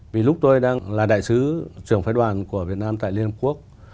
vì lúc tôi đang là đại sứ trưởng phái đoàn của việt nam tại liên hợp quốc